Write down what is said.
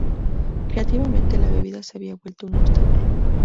Creativamente, la bebida se había vuelto un obstáculo.